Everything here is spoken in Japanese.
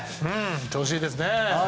調子がいいですね。